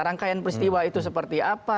rangkaian peristiwa itu seperti apa